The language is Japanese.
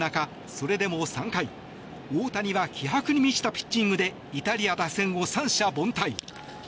それでも３回大谷は気迫に満ちたピッチングでイタリア打線を三者凡退。